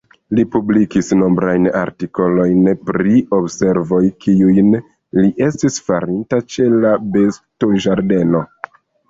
Li publikis nombrajn artikolojn pri observoj kiujn li estis farinta ĉe la bestoĝardeno.